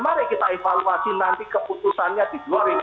mari kita evaluasi nanti keputusannya di dua ribu dua puluh